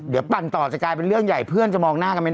เดี๋ยวปั่นต่อจะกลายเป็นเรื่องใหญ่เพื่อนจะมองหน้ากันไม่ได้